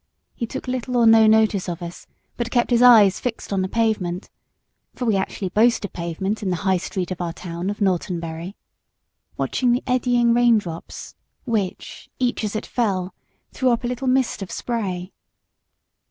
He took little or no notice of us, but kept his eyes fixed on the pavement for we actually boasted pavement in the High Street of our town of Norton Bury watching the eddying rain drops, which, each as it fell, threw up a little mist of spray.